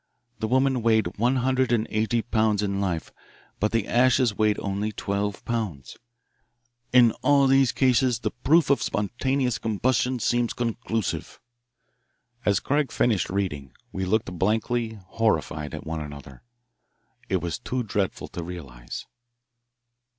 The woman weighed, one hundred and eighty pounds in life, but the ashes weighed only twelve pounds: In all these cases the proof of spontaneous combustion seems conclusive.'" As Craig finished reading, we looked blankly, horrified, at one another. It was too dreadful to realise.